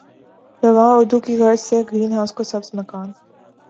رواں اردو کی غرض سے گرین ہاؤس کو سبز مکان